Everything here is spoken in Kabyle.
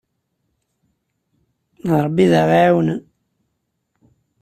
D Ṛebbi ay aɣ-iɛawnen.